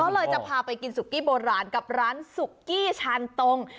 ก็เลยจะพาไปกินสุกี้โบราณกับร้านสุกี้ชานตรง